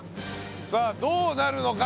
さあどうなるのか？